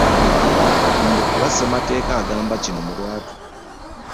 Mbu kuba Ssemateeka agamba kino mu lwatu